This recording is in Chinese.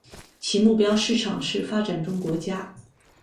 其目标市场是发展中国家。